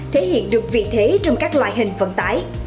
thể hiện được vị thế trong các loại hình vận tải